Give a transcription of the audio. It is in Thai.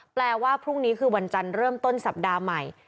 แปลว่าพรุ่งนี้คือวันจันทร์เริ่มต้นสัปดาห์ใหม่